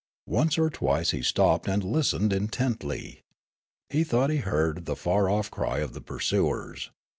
Once or twice he stopped and listened intently. He thought he heard the far off cry of the pursuers.